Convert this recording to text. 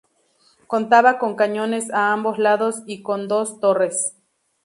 Contaba con cañones a ambos lados y con dos torres.